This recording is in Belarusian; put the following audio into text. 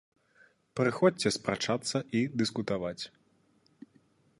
Прыходзьце спрачацца і дыскутаваць!